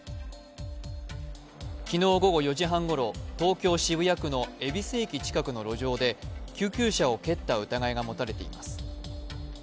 昨日午後４時半ごろ、東京・渋谷区の恵比寿駅近くの路上で、救急車を蹴った疑いが持たれています。